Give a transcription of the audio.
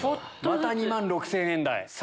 また２万６０００円台。